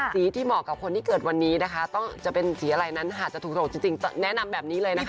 สีที่เหมาะกับคนที่เกิดวันนี้นะคะต้องจะเป็นสีอะไรนั้นหากจะถูกโดกจริงแนะนำแบบนี้เลยนะคะ